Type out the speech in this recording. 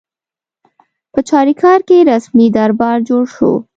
په چاریکار کې رسمي دربار جوړ شو.